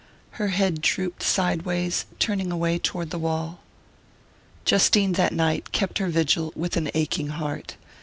Her head drooped sideways, turning away toward the wall. Justine, that night, kept her vigil with an aching heart.